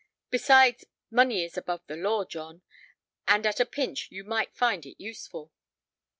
Besides, money is above the law, John, and at a pinch you might find it useful."